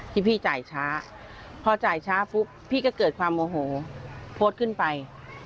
พี่จ่ายช้าพอจ่ายช้าปุ๊บพี่ก็เกิดความโมโหโพสต์ขึ้นไป